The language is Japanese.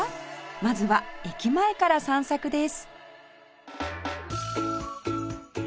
まずは駅前から散策です